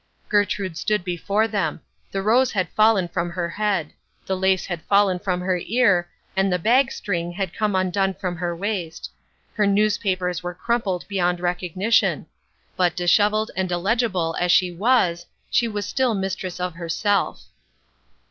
Gertrude stood before them. The rose had fallen from her head. The lace had fallen from her ear and the bagstring had come undone from her waist. Her newspapers were crumpled beyond recognition. But dishevelled and illegible as she was, she was still mistress of herself.